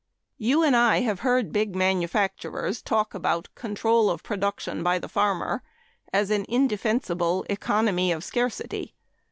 You and I have heard big manufacturers talk about control of production by the farmer as an indefensible "economy of scarcity."